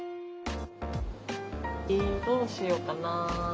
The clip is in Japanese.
えどうしようかな。